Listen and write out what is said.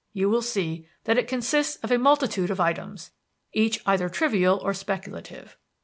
You will see that it consists of a multitude of items, each either trivial or speculative.